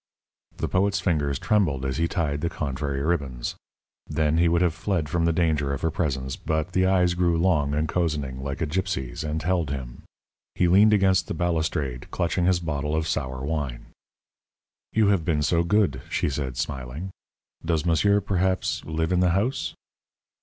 The poet's fingers trembled as he tied the contrary ribbons. Then he would have fled from the danger of her presence, but the eyes grew long and cozening, like a gypsy's, and held him. He leaned against the balustrade, clutching his bottle of sour wine. "You have been so good," she said, smiling. "Does monsieur, perhaps, live in the house?"